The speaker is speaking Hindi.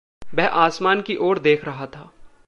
वह आसमान की ओर देख रहा था।